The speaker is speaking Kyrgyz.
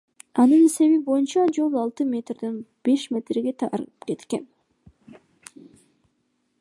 Анын эсеби боюнча, жол алты метрден беш метрге тарып кеткен.